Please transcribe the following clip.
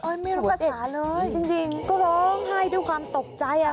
ไม่รู้ภาษาเลยจริงก็ร้องไห้ด้วยความตกใจอ่ะ